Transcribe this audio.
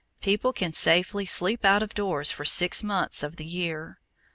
People can safely sleep out of doors for six months of the year.